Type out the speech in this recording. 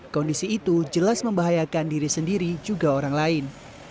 kondisi itu jelas membahayakan diri sendiri juga orang lain